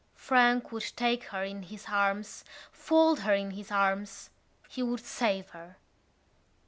Frank would take her in his arms, fold her in his arms. He would save her.